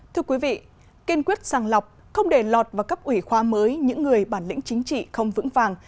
thưa quý vị kiên quyết sàng lọc không để lọt vào cấp ủy khoa mới những người bản lĩnh chính trị không vững vàng